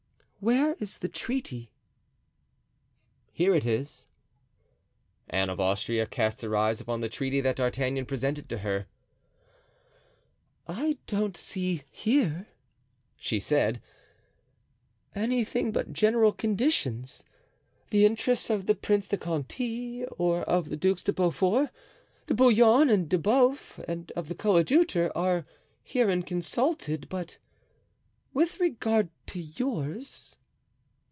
"Where is the treaty?" "Here it is." Anne of Austria cast her eyes upon the treaty that D'Artagnan presented to her. "I do not see here," she said, "anything but general conditions; the interests of the Prince de Conti or of the Ducs de Beaufort, de Bouillon and d'Elbeuf and of the coadjutor, are herein consulted; but with regard to yours?"